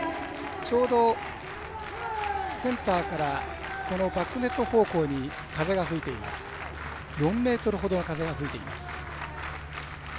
ちょうどセンターからバックネット方向に４メートルほどの風が吹いています。